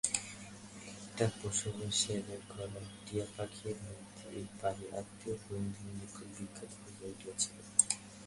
একটা পশমের সেলাই করা টিয়াপাখির মূর্তি এই বাড়ির আত্মীয়বন্ধুদের নিকট বিখ্যাত হইয়া উঠিয়াছিল।